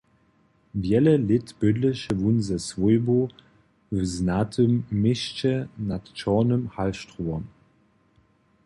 Wjele lět bydleše wón ze swójbu w znatym měsće nad Čornym Halštrowom.